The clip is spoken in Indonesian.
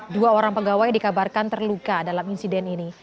dua orang pegawai dikabarkan terluka dalam insiden ini